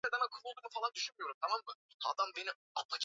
ikiwemo Real Madrid na timu ya Valencia